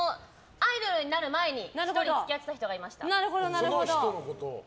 アイドルになる前に１人付き合っていた人がいました。